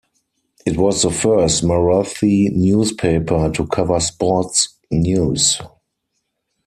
It was the first Marathi newspaper to cover Sports news.